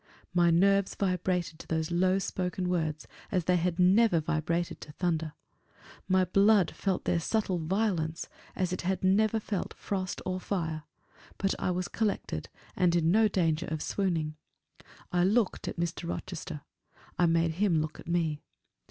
My nerves vibrated to those low spoken words as they had never vibrated to thunder; my blood felt their subtle violence as it had never felt frost or fire; but I was collected, and in no danger of swooning. I looked at Mr. Rochester; I made him look at me.